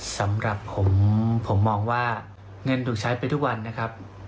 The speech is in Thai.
สำหรับผมผมมองว่าเงินถูกใช้ไปทุกวันนะครับ